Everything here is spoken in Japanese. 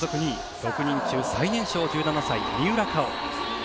６人中最年少１７歳三浦佳生。